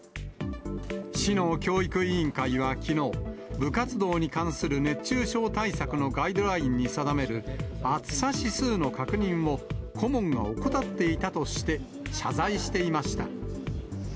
市の教育委員会はきのう、部活動に関する熱中症対策のガイドラインに定める、暑さ指数の確認を、顧問が怠っていたとして謝罪していました。